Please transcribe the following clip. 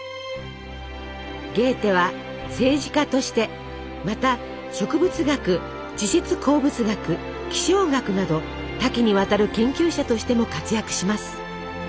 ゲーテは政治家としてまた植物学地質鉱物学気象学など多岐にわたる研究者としても活躍します。